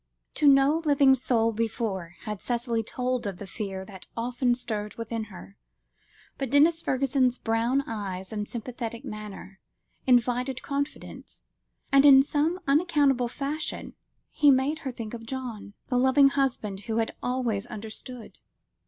To no living soul before, had Cicely told of the fear that often stirred within her, but Denis Fergusson's brown eyes and sympathetic manner, invited confidence, and in some unaccountable fashion he made her think of John, the loving husband who had always understood.